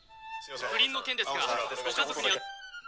不倫の件ですがご家族には。